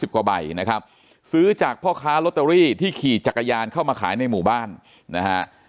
กว่าใบนะครับซื้อจากพ่อค้าลอตเตอรี่ที่ขี่จักรยานเข้ามาขายในหมู่บ้านนะฮะ